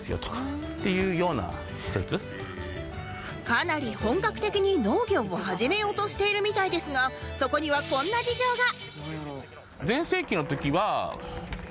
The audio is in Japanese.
かなり本格的に農業を始めようとしているみたいですがそこにはこんな事情が